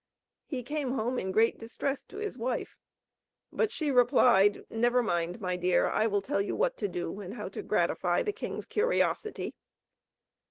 He came home in great distress to his wife; but she replied: "Never mind, my dear. I will tell you what to do, and how to gratify the king's curiosity."